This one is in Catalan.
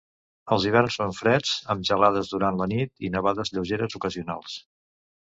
Els hiverns són freds amb gelades durant la nit i nevades lleugeres ocasionals.